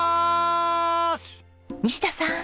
西田さん